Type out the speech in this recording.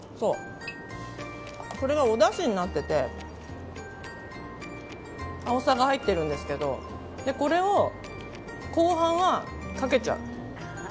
これが、おだしになっていてアオサが入っているんですけどこれを後半はかけちゃう。